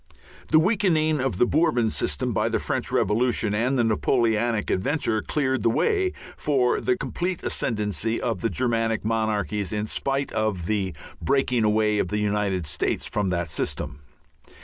The weakening of the Bourbon system by the French revolution and the Napoleonic adventure cleared the way for the complete ascendancy of the Germanic monarchies in spite of the breaking away of the United States from that system.